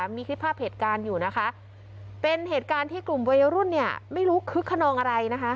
มีคลิปภาพเหตุการณ์อยู่นะคะเป็นเหตุการณ์ที่กลุ่มวัยรุ่นเนี่ยไม่รู้คึกขนองอะไรนะคะ